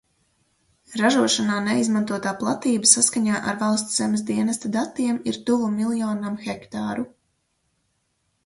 Ražošanā neizmantotā platība, saskaņā ar Valsts zemes dienesta datiem, ir tuvu miljonam hektāru.